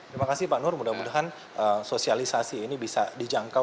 terima kasih pak nur mudah mudahan sosialisasi ini bisa dijangkau